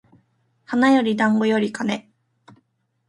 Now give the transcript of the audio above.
花より団子より金